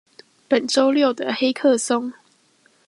本週六的黑客松